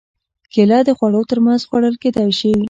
کېله د خوړو تر منځ خوړل کېدای شي.